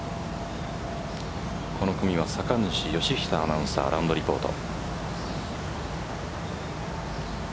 この組は酒主義久アナウンサーラウンドリポート。